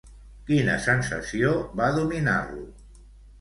Quina sensació va dominar-lo?